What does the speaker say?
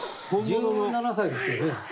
１７歳ですってね？